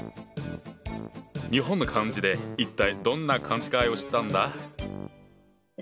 日本の漢字で一体どんな勘違いをしたんだ？